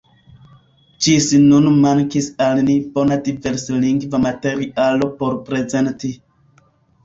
Ĝis nun mankis al ni bona diverslingva materialo por prezenti.